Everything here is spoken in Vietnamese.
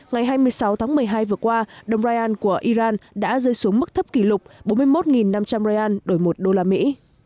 ngày hai mươi sáu tháng một mươi hai vừa qua đồng rai an của iran đã rơi xuống mức thấp kỷ lục bốn mươi một năm trăm linh rai an đổi một đô la mỹ